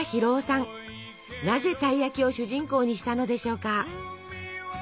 なぜたい焼きを主人公にしたのでしょうか？